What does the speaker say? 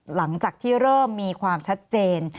หลังจากที่เริ่มมีความชัดเจน